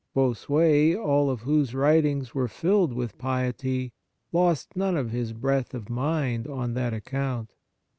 Bossuet, all of whose writings were filled with piety, lost none of his breadth of mind on that account.